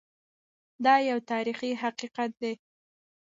دا یو تاریخي حقیقت دی.